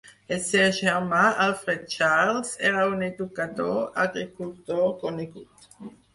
El seu germà Alfred Charles era un educador agricultor conegut.